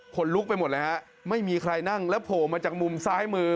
ลุกไปหมดเลยฮะไม่มีใครนั่งแล้วโผล่มาจากมุมซ้ายมือ